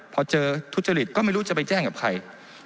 พอเจอทุจริตก็ไม่รู้จะไปแจ้งกับใคร